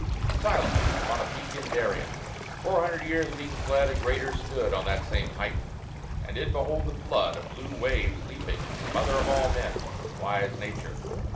"Silent, upon a peak in Darien" Four hundred years being fled, a Greater stood On that same height; and did behold the flood Of blue waves leaping; Mother of all men! Wise Nature!